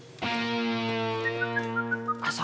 ya saya juga suka